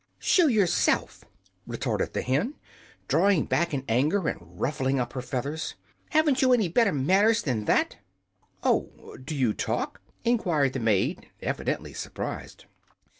"Shoo, yourself!" retorted the hen, drawing back in anger and ruffling up her feathers. "Haven't you any better manners than that?" "Oh, do you talk?" enquired the maid, evidently surprised.